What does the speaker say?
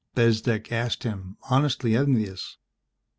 Bezdek asked him, honestly envious.